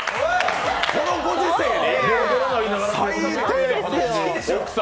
このご時世に？